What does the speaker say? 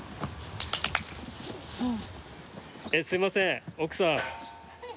すいません奥さん。